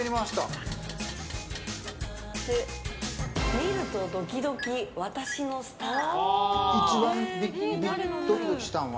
見るとドキドキ、私のスター。